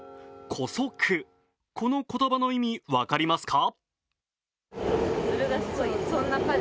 姑息、この言葉の意味、分かりますか？